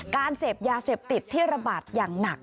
การเสพยาเสพติดที่ระบาดอย่างหนัก